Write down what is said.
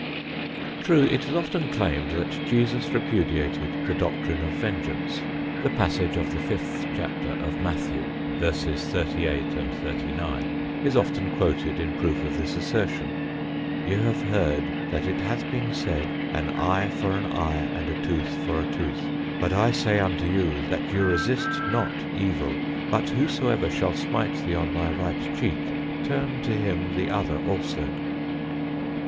True it is often claimed that Jesus repudiated the doctrine of vengeance. The passage of 5th Matthew, 38 30 is often quoted in proof of this assertion "Ye have heard that it hath been said, an eye for an eye and a tooth for a tooth. But I say unto you, that ye resist not evil, but whosoever shall smite thee on thy right cheek, turn to him the other also."